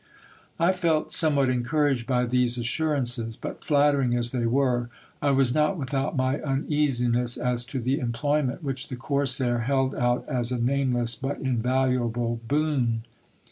I felt somewhat encouraged by these assurances ; but flattering as they were, I was not without my uneasiness as to the employment, which the corsair held sut as a nameless, but invaluable boon.